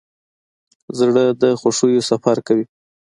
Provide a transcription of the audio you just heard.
زړه د خوښیو سفر کوي.